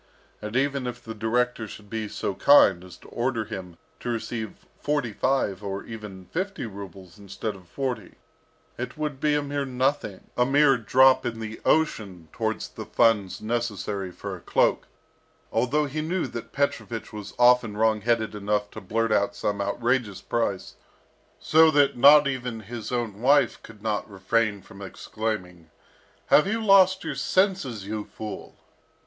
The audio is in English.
And even if the director should be so kind as to order him to receive forty five or even fifty rubles instead of forty, it would be a mere nothing, a mere drop in the ocean towards the funds necessary for a cloak, although he knew that Petrovich was often wrong headed enough to blurt out some outrageous price, so that even his own wife could not refrain from exclaiming, "Have you lost your senses, you fool?"